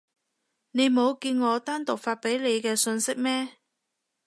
你冇見我單獨發畀你嘅訊息咩？